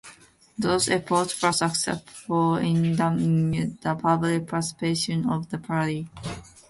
Those efforts were successful in damaging the public perception of the party.